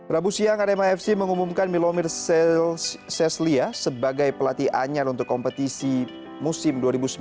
rabu siang arema fc mengumumkan milomir seslia sebagai pelatih anyar untuk kompetisi musim dua ribu sembilan belas